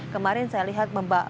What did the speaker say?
kemarin saya lihat